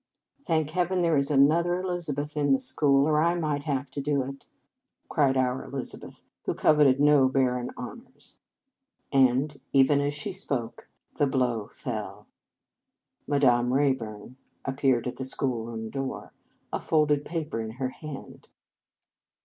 " Thank Heaven, there is another Elizabeth in the school, or I might have to do it," cried our Elizabeth, who coveted no barren honours ; and even as she spoke the blow fell. Madame Rayburn appeared at the schoolroom door, a folded paper in her hand.